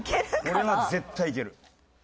これは絶対いける。